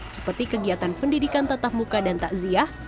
seperti kegiatan pendidikan tatap muka dan takziah